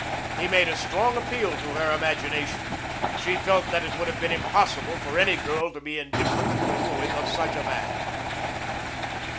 He made a strong appeal to her imagination. She felt that it would have been impossible for any girl to be indifferent to the wooing of such a man.